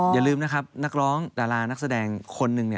อย่าลืมนะครับนักร้องดารานักแสดงคนหนึ่ง